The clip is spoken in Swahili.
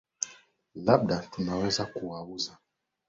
Labda tunaweza kuwauza.